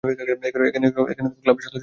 এখানে ক্লাবের সদর দফতর অবস্থিত।